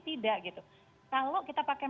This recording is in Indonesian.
tidak gitu kalau kita pakai